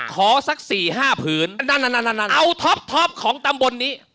ขอสัก๔๕ผืนเอาท็อปของตำบลนี้